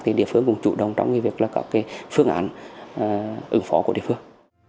thì địa phương cũng chủ động trong việc là các phương án ứng phó của địa phương